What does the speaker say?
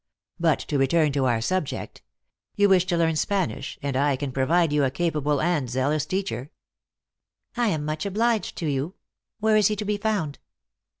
But to return to our subject. You wish to learn Spanish, and I can provide you a capa ble and zealous teacher." " I am much obliged to you ; where is he to be found